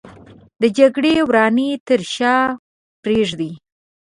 د جګړې ورانۍ تر شا پرېږدي